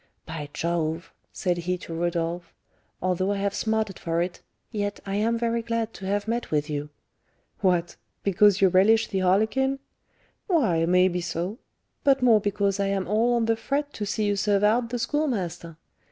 "By Jove," said he to Rodolph, "although I have smarted for it, yet I am very glad to have met with you." "What! because you relish the harlequin?" "Why, may be so; but more because I am all on the fret to see you 'serve out' the Schoolmaster.